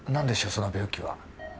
その病気は